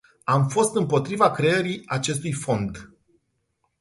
Am fost împotriva creării acestui fond.